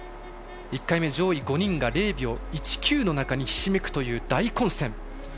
１回目上位５人が０秒１９の中にひしめく大混戦。